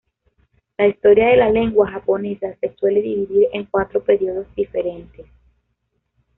La historia de la lengua japonesa se suele dividir en cuatro periodos diferentes.